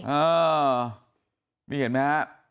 อ้าวนี่เห็นไหมฮะ